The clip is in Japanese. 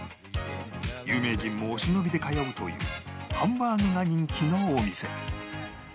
有名人もお忍びで通うというハンバーグが人気のお店